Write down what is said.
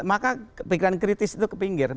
maka pikiran kritis itu kepinggir